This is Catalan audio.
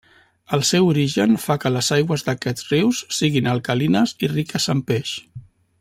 El seu origen fa que les aigües d'aquests rius siguin alcalines i riques en peix.